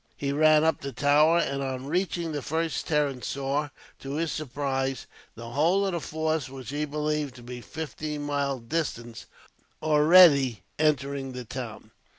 He ran up the tower, and on reaching the first terrace saw, to his surprise, the whole of the force which he believed to be fifteen miles distant, already entering the town.